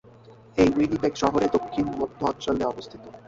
এটি উইনিপেগ শহরের দক্ষিণ-মধ্য অঞ্চলে অবস্থিত।